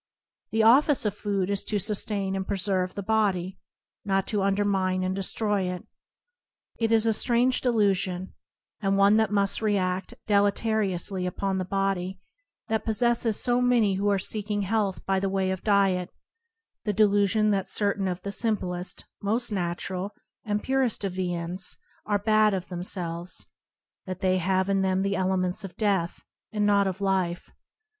The office of food is to sustain and preserve the body, not to undermine and destroy it. It is a strange delusion, — and one that must readt deleteriously upon the body, — that possesses so many who are seeking health by the way of diet, the delusion that certain of the simplest, most natural, and purest of viands are bad of themselves^ that they have in them the elements of death, and not of life.